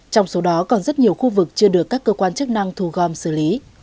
trong số đó còn rất nhiều khu vực chưa được các cơ quan chức năng thu gom xử lý